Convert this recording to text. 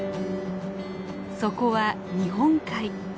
そこは日本海。